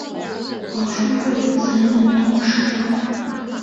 黄书锐曾任董事长。